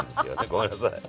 ごめんなさい。